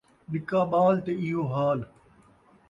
نکا ٻال تے ایہو حال